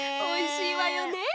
おいしいわよね。